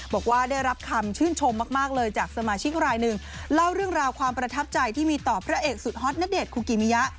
บอกว่าได้รับคำชื่นชมมากเลยจากสมาชิกรายหนึ่งเล่าเรื่องราวความประทับใจที่มีต่อพระเอกสุดฮอตณเดชนคุกิมิยะ